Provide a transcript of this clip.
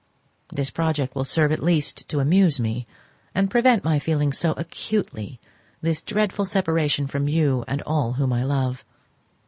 This project will serve at least to amuse me, and prevent my feeling so acutely this dreadful separation from you and all whom I love.